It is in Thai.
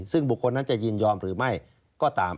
ซึ่งบุคคลนั้นจะยินยอมหรือไม่ก็ตาม